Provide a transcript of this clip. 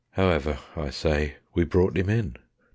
However, I say, we brought him in.